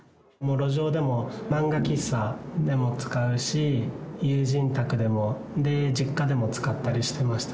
路上でも漫画喫茶でも使うし、友人宅でも実家でも使ったりしてました。